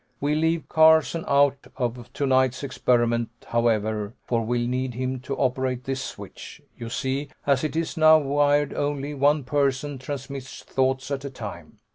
We'll leave Carson out of to night's experiment, however, for we'll need him to operate this switch. You see, as it is now wired only one person transmits thoughts at a time.